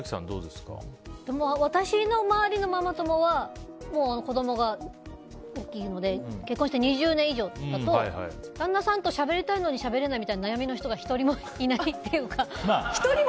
私の周りのママ友はもう、子供が大きいので結婚して２０年以上だと旦那さんとしゃべりたいのにしゃべれないみたいな悩みの人が１人もいないというか。